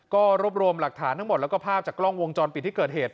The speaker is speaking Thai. ก็รวบรวมหลักฐานทั้งหมดแล้วก็ภาพจากกล้องวงจรปิดที่เกิดเหตุ